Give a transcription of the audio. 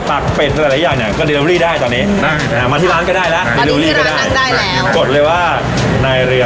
ปากเป็ดหรืออะไรอย่างเนี่ยก็ไดรับรีได้ตอนนี้